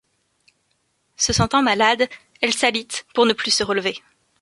Se sentant malade, elle s’alite pour ne plus se relever.